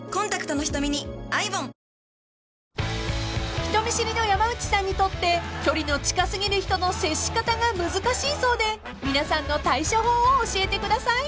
［人見知りの山内さんにとって距離の近すぎる人の接し方が難しいそうで皆さんの対処法を教えてください］